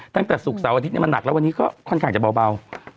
ตั้งแต่ศุกร์เสาร์อาทิตย์มันหนักแล้ววันนี้ก็ค่อนข้างจะเบา